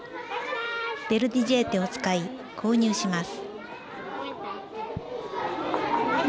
ベルディジェーテを使い購入します。